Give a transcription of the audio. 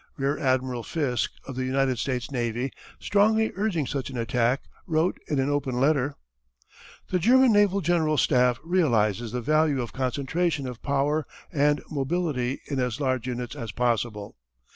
Rear Admiral Fiske, of the United States Navy, strongly urging such an attack, wrote in an open letter: The German Naval General Staff realizes the value of concentration of power and mobility in as large units as possible.